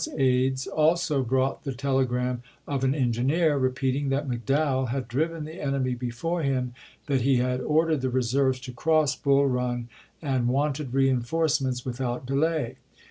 Scott's aides also brought the telegram of an en gineer, repeating that McDowell had driven the ^Tomas!" enemy before him, that he had ordered the reserves "^/p. m^ ' W. R. Vol. to cross Bull Eun, and wanted reenf orcements with h' , p 747. ' out delay.